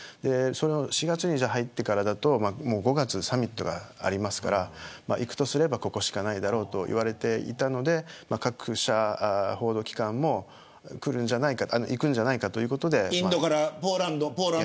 ４月に入ってからだと５月にサミットがありますから行くとすればここしかないと言われていたので各社報道機関も行くんじゃないかということで。